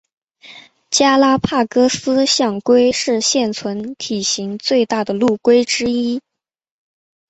加拉帕戈斯象龟是现存体型最大的陆龟之一。